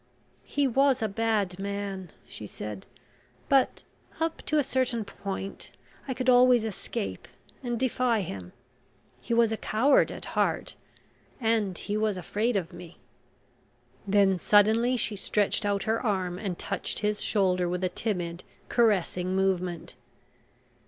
"He was a bad man," she said. "But, up to a certain point, I could always escape and defy him. He was a coward at heart, and he was afraid of me." Then suddenly she stretched out her arm and touched his shoulder with a timid, caressing movement.